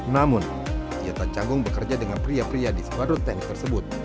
namun ia tak canggung bekerja dengan pria pria di sepadron teknik tersebut